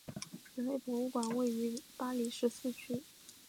人类博物馆位于巴黎十六区。